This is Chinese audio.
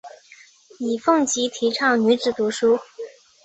尹奉吉提倡女子读书。